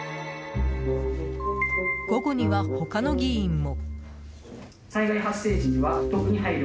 午後には、他の議員も。